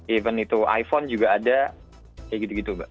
even itu iphone juga ada kayak gitu gitu mbak